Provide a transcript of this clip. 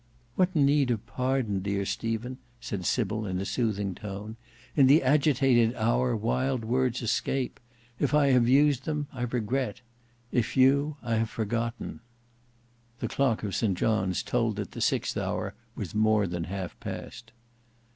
"What need of pardon, dear Stephen?" said Sybil in a soothing tone. "In the agitated hour wild words escape. If I have used them, I regret; if you, I have forgotten." The clock of St John's told that the sixth hour was more than half past.